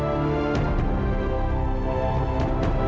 jadi lebih baik kamu nggak usah kecampur